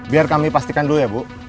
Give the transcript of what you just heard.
biar kami pastikan dulu ya bu